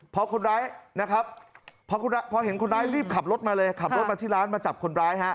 เพราะเห็นคนร้ายรีบขับรถมาเลยขับรถมาที่ร้านมาจับคนร้าย